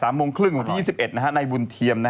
โมงครึ่งวันที่๒๑ในบุญเทียม